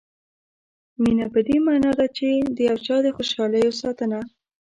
مینه په دې معنا ده چې د یو چا د خوشالیو ساتنه.